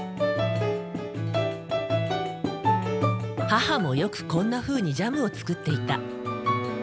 母もよくこんなふうにジャムを作っていた。